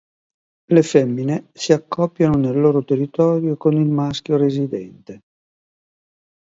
Le femmine si accoppiano nel loro territorio con il maschio residente.